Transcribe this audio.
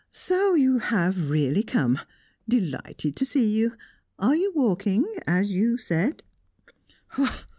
"So you have really come! Delighted to see you! Are you walking as you said?"